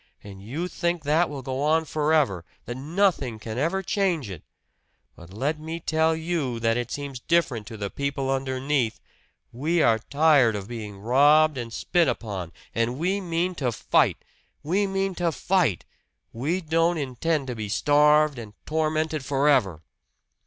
And you think that will go on forever, that nothing can ever change it! But let me tell you that it seems different to the people underneath! We are tired of being robbed and spit upon! And we mean to fight! We mean to fight! We don't intend to be starved and tormented forever!"